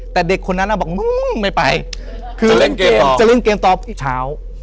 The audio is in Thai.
แต่เด็กคนนั้นบอกมึงไม่ไปคือเล่นเกมจะเล่นเกมต่อทุกเช้า